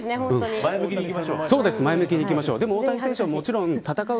前向きにいきましょう。